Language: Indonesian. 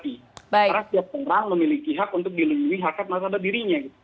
karena setiap orang memiliki hak untuk dilindungi hak hak masyarakat dirinya